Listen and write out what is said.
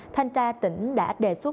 thanh tra tỉnh đã đề xuất